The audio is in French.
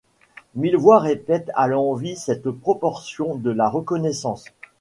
Mille voix répètent à l’envi cette proposition de la reconnaissance.